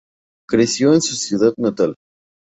Creció en su ciudad natal.